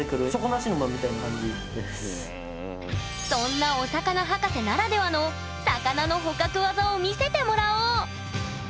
そんなお魚博士ならではの魚の捕獲技を見せてもらおう！